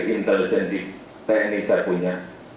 intelijen di tni saya punya